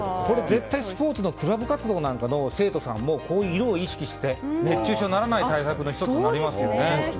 絶対、スポーツのクラブ活動の生徒さんなんかも色を意識して熱中症にならない対策の１つになりますよね。